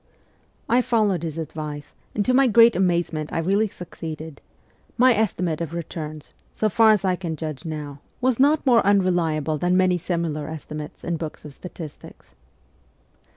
I followed his advice, and to my great amazement I really succeeded : my estimate of returns, so far as I can judge now, was not more unreliable than many similar esti mates in books of statistics.